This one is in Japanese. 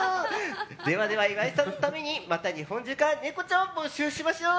では、岩井さんのためにまた日本中からネコちゃんを募集しましょう。